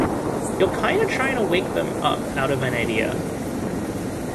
You're kinda trying to wake them up out of an idea.